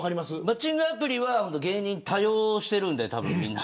マッチングアプリは芸人、多様しているんで、多分。